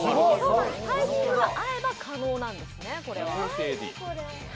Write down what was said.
タイミングが合えば可能なんですね、これは。